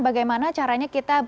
bagaimana caranya kita